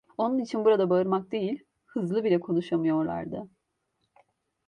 Onun için burada bağırmak değil, hızlı bile konuşamıyorlardı.